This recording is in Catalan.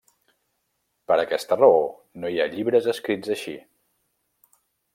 Per aquesta raó no hi ha llibres escrits així.